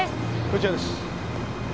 こちらです。